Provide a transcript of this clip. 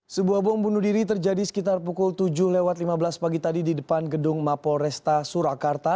sebuah bom bunuh diri terjadi sekitar pukul tujuh lewat lima belas pagi tadi di depan gedung mapol resta surakarta